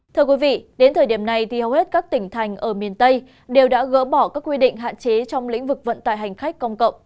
thưa quý vị đến thời điểm này thì hầu hết các tỉnh thành ở miền tây đều đã gỡ bỏ các quy định hạn chế trong lĩnh vực vận tải hành khách công cộng